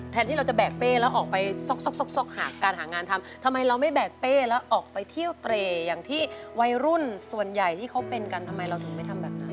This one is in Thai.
ที่เราจะแบกเป้แล้วออกไปซกหาการหางานทำทำไมเราไม่แบกเป้แล้วออกไปเที่ยวเตรอย่างที่วัยรุ่นส่วนใหญ่ที่เขาเป็นกันทำไมเราถึงไม่ทำแบบนั้น